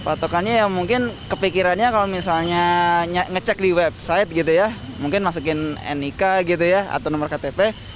patokannya ya mungkin kepikirannya kalau misalnya ngecek di website gitu ya mungkin masukin nik gitu ya atau nomor ktp